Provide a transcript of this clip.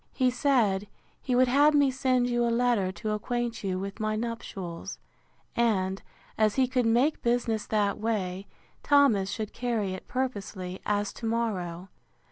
He said, He would have me send you a letter to acquaint you with my nuptials; and, as he could make business that way, Thomas should carry it purposely, as to morrow.